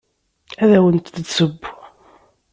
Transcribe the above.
Ad awent-d-tesseww.